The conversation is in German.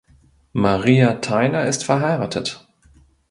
Maria Theiner ist verheiratet.